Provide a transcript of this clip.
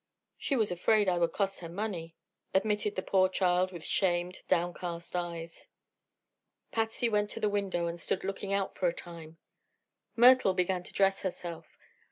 "She was afraid I would cost her money," admitted the poor child, with shamed, downcast eyes. Patsy went to the window and stood looking out for a time. Myrtle began to dress herself.